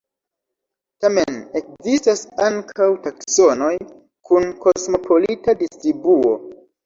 Tamen ekzistas ankaŭ taksonoj kun kosmopolita distribuo.